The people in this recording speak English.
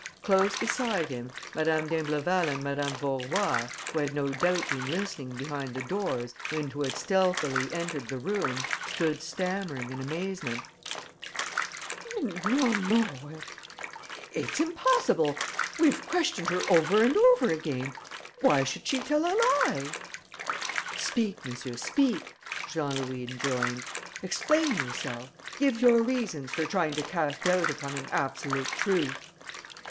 Close beside him, Madame d'Imbleval and Madame Vaurois, who had no doubt been listening behind the doors and who had stealthily entered the room, stood stammering, in amazement: "No, no ... it's impossible.... We've questioned her over and over again. Why should she tell a lie?..." "Speak, monsieur, speak," Jean Louis enjoined. "Explain yourself. Give your reasons for trying to cast doubt upon an absolute truth!"